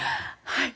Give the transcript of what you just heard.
はい。